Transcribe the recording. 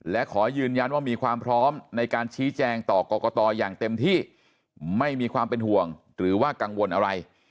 และขอยืนยันว่ามีความพร้อมในการชี้แจงต่อกรกตอย่างเต็มที่ไม่มีความเป็นห่วงหรือว่ากังวลอะไร